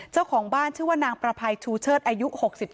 เจ้าของบ้านชื่อว่านางประภัยชูเชิดอายุ๖๗